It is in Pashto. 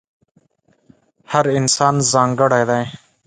هر انسان ځانګړی دی.